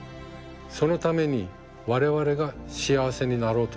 そのために我々が幸せになろうとすること。